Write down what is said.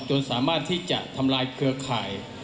สามารถที่จะทำลายเครือข่าย